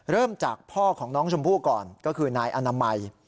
เริ่มจากพ่อของน้องชมพู่ก่อนก็คือนายอนามัย